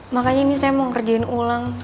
makanya ini saya mau ngerjain ulang